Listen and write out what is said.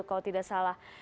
kalau tidak salah